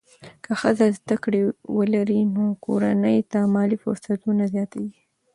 که ښځه زده کړه ولري، نو کورنۍ ته مالي فرصتونه زیاتېږي.